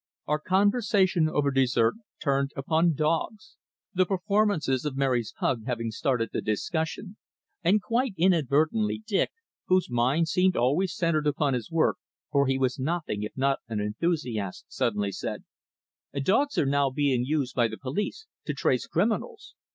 Our conversation over dessert turned upon dogs, the performances of Mary's pug having started the discussion, and quite inadvertently Dick, whose mind seemed always centred upon his work, for he was nothing if not an enthusiast, suddenly said "Dogs are now being used by the police to trace criminals.